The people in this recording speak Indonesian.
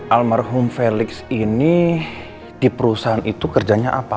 almarhum felix ini di perusahaan itu kerjanya apa